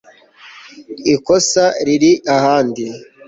Ikosa riri ahandi